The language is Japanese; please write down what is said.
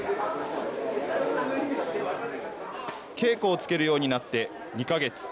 稽古をつけるようになって２か月。